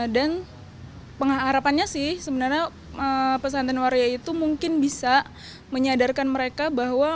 dan harapannya sih sebenarnya pesantren waria itu mungkin bisa menyadarkan mereka bahwa